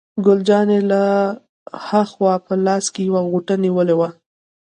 ګل جانې له ها خوا په لاس کې یوه غوټه نیولې وه.